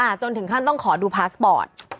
จนถึงขั้นต้องขอดูพาสปอร์ต